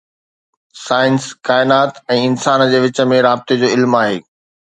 Science ڪائنات ۽ انسان جي وچ ۾ رابطي جو علم آهي.